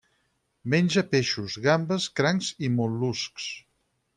Menja peixos, gambes, crancs i mol·luscs.